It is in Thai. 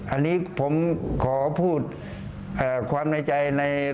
อันนี้ผมขอพูดความในใจในโรงพยาบาลนี้